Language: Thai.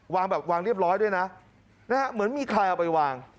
แบบวางเรียบร้อยด้วยนะนะฮะเหมือนมีใครเอาไปวาง